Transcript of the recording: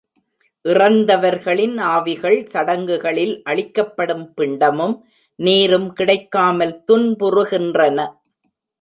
இறந்தவர்களின் ஆவிகள், சடங்குகளில் அளிக்கப்படும் பிண்டமும் நீரும் கிடைக்காமல் துன்புறுகின்றன.